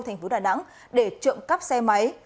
thành phố đà nẵng để trộm cắp xe máy